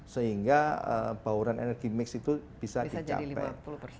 sehingga bauran energi mix itu bisa dicapai